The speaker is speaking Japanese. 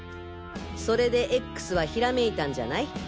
それでＸは閃いたんじゃない？